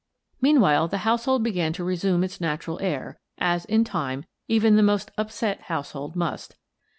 Meanwhile, the household began to resume its natural air, as, in time, even the most upset house hold must.